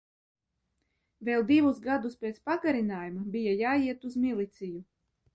Vēl divus gadus pēc pagarinājuma bija jāiet uz miliciju.